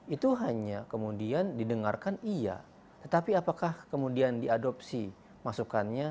itu hanya kemudian didengarkan iya tetapi apakah kemudian diadopsi masukannya